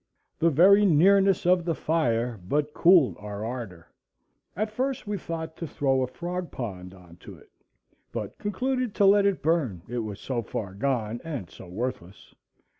The very nearness of the fire but cooled our ardor. At first we thought to throw a frog pond on to it; but concluded to let it burn, it was so far gone and so worthless.